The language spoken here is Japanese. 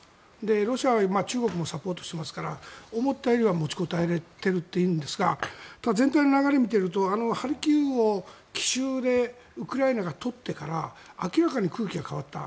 ロシアは中国もサポートしていますから思ったよりは持ちこたえられているというんですがただ、全体の流れを見ているとハルキウを奇襲でウクライナが取ってから明らかに空気が変わった。